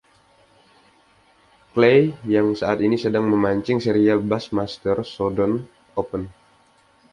Clay yang saat ini sedang memancing serial Bassmaster Southern Open.